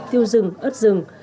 tiêu rừng ớt rừng